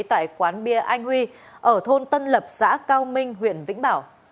tại quán bia anh huy ở thôn tân lập xã cao minh huyện vĩnh bảo